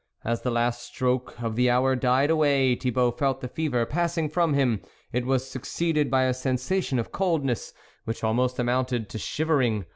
As the last stroke of the hour died away, Thibault felt the fever passing from him, it was succeeded by a sensation of coldness, which almost amounted to shivering.